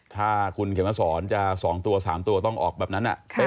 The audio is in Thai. ถ้าคุณเข็มมาสอนจะ๒ตัว๓ตัวต้องออกแบบนั้น